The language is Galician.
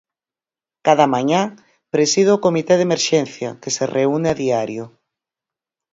Cada mañá, presido o comité de emerxencia, que se reúne a diario.